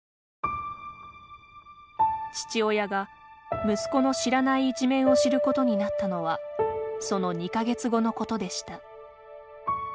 父親が息子の知らない一面を知ることになったのはその２か月後のことでした。